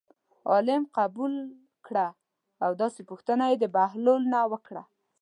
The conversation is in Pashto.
عالم قبول کړه او داسې پوښتنه یې د بهلول نه وکړه.